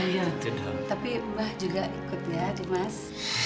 iya tapi mbah juga ikut ya di mas